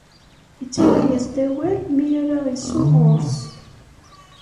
Ittarra-as-d awal mi ara isuɣ ɣur-s.